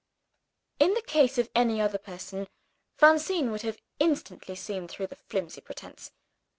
In the case of any other person, Francine would have instantly seen through that flimsy pretense.